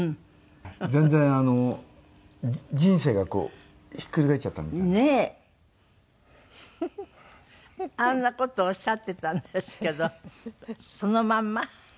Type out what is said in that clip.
「全然人生がこうひっくり返っちゃったみたいな」あんな事おっしゃってたんですけどそのまんま？